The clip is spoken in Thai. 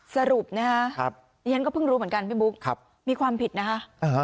สรุปนะฮะดิฉันก็เพิ่งรู้เหมือนกันพี่บุ๊คมีความผิดนะคะ